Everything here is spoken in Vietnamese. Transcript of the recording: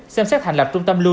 xem xét hành lập trung tâm lưu